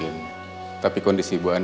ini terlalu lemah